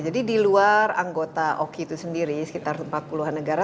di luar anggota oki itu sendiri sekitar empat puluh an negara